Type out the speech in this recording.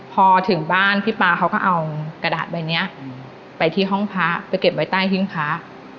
พอถึงบ้านพี่ป๊าเขาก็เอากระดาษใบนี้ไปที่ห้องพระไปเก็บไว้ใต้หิ้งพระ